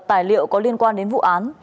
tài liệu có liên quan đến vụ án